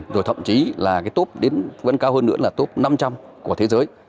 rồi thậm chí là cái top đến vẫn cao hơn nữa là top năm trăm linh của thế giới